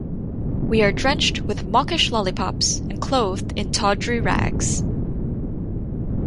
We are drenched with mawkish lollipops, and clothed in tawdry rags.